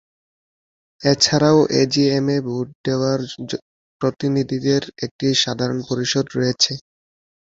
এছাড়াও এজিএম-এ ভোট দেওয়ার প্রতিনিধিদের একটি সাধারণ পরিষদ রয়েছে।